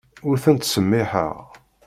Ur ten-ttsemmiḥeɣ.